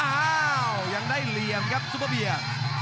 อ้าวยังได้เหลี่ยมครับซุปเปอร์เบียร์